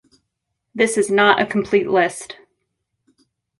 This is not a complete list.